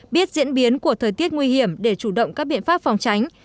biết diễn biến của thời tiết nguy hiểm để chủ động các biện pháp phòng tránh